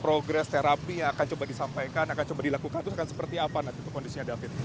progres terapi akan coba disampaikan akan coba dilakukan seperti apa nanti kondisinya david